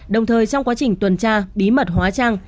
đồng thời trong quá trình tuần tra bí mật hóa trang